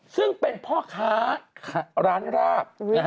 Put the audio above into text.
ซึ่งเป็นพ่อค้าร้านราบ